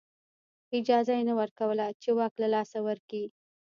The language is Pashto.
اجازه یې نه ورکوله چې واک له لاسه ورکړي